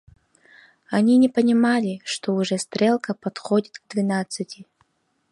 Они не понимали, что уже стрелка подходит к двенадцати.